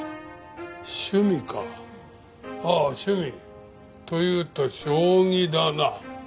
趣味かああ趣味。というと将棋だな。